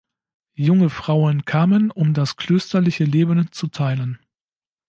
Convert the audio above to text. Junge Frauen kamen, um das klösterliche Leben zu teilen.